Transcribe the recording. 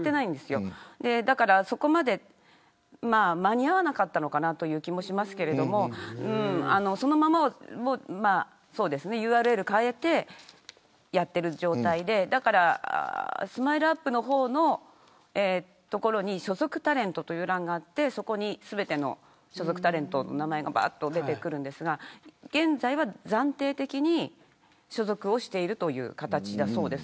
だから、そこまで間に合わなかったのかなという気もしますがそのままＵＲＬを変えてやっている状態でＳＭＩＬＥ−ＵＰ．のところに所属タレントという欄があってそこに全てのタレントの名前が出てきますが現在は暫定的に所属している形だそうです。